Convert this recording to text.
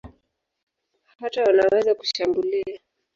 Hata wanaweza kushambulia.